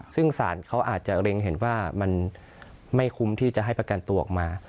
ซึ่งศาลเขาอาจจะเร็งเห็นว่ามันไม่คุ้มที่จะให้ประกันตัวออกมา